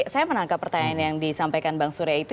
saya menangkap pertanyaan yang disampaikan bang surya itu